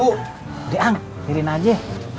udah ang dirin aja